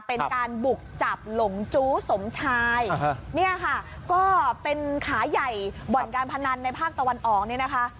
เป็นการบุกจับหลงจู้สมชายเนี่ยค่ะก็เป็นขาใหญ่บ่อนการพนันในภาคตะวันออกเนี่ยนะคะ